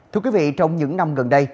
thưa quý vị trong những năm gần đây